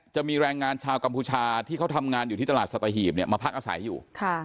จะมีแรงงานชาวกัมพูชาที่เขาทำงานอยู่ที่ตลาดสัตหีบมาพักอาศัยอยู่